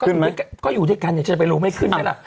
ขึ้นไหมก็อยู่ด้วยกันเนี่ยฉันจะไปรู้ไม่ขึ้นไหมล่ะ